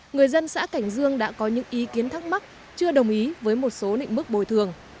người dân xã cảnh dương đã có những ý kiến thắc mắc chưa đồng ý với một số định mức bồi thường